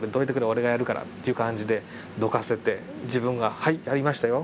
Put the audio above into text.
俺がやるからっていう感じでどかせて自分がはいやりましたよ